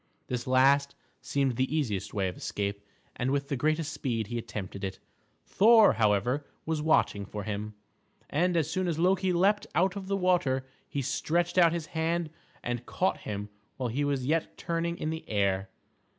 This last seemed the easiest way of escape, and with the greatest speed he attempted it. Thor, however, was watching for him, and as soon as Loki leaped out of the water he stretched out his hand and caught him while he was yet turning in the air.